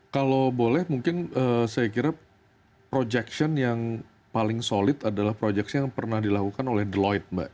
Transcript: kalau boleh mungkin saya kira projection yang paling solid adalah projection yang pernah dilakukan oleh the light mbak